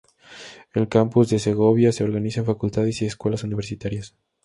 El Campus de Segovia se organiza en facultades y escuelas universitarias.